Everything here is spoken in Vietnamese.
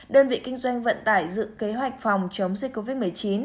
đơn vị kinh doanh vận tải dự kế hoạch phòng chống dịch covid một mươi chín